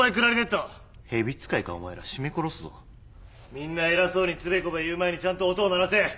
みんな偉そうにつべこべ言う前にちゃんと音を鳴らせ。